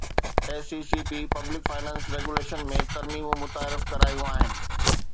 S E C P public finance regulation ۾ ترميمون متعارف ڪرايون آهن